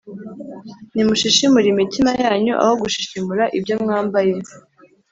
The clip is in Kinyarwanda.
Nimushishimure imitima yanyu, aho gushishimura ibyo mwambaye,